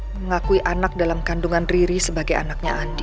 mengakui anak dalam kandungan riri sebagai anaknya andi